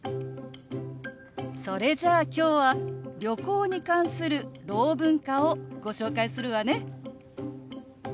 それじゃあ今日は旅行に関するろう文化をご紹介するわね。